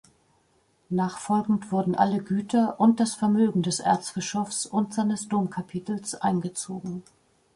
Nachfolgend wurden alle Güter und das Vermögen des Erzbischofs und seines Domkapitels eingezogen.